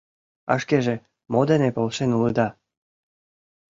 — А шкеже мо дене полшен улыда?